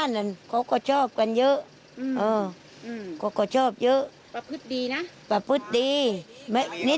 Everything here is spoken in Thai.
คนบอกชอบช่วยเหลือคนด้วยนะใช่